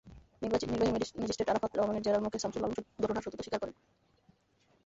নির্বাহী ম্যাজিস্ট্রেট আরাফাত রহমানের জেরার মুখে সামসুল আলম ঘটনার সত্যতা স্বীকার করেন।